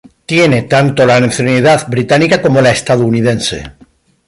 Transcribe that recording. Tiene tanto la nacionalidad británica como la estadounidense.